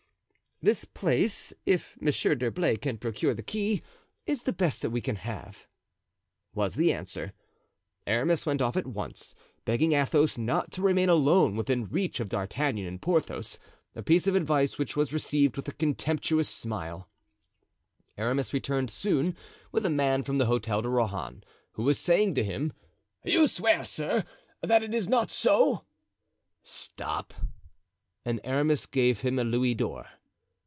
"This place, if Monsieur d'Herblay can procure the key, is the best that we can have," was the answer. Aramis went off at once, begging Athos not to remain alone within reach of D'Artagnan and Porthos; a piece of advice which was received with a contemptuous smile. Aramis returned soon with a man from the Hotel de Rohan, who was saying to him: "You swear, sir, that it is not so?" "Stop," and Aramis gave him a louis d'or.